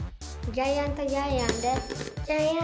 ジャイアントジャイアンです。